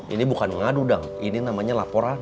ini bukan ngadu dong ini namanya laporan